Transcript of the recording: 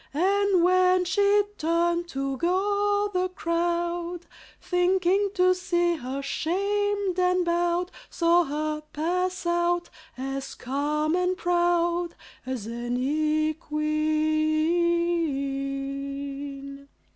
And when she turned to go, the crowd, Thinking to see her shamed and bowed, Saw her pass out as calm and proud As any queen.